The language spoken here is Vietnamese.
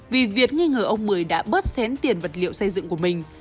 vì việt nghi ngờ ông mười đã bớt xén tiền vật liệu xây dựng của mình